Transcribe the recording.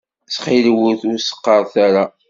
Ttxil-wet ur s-qqaṛet ara.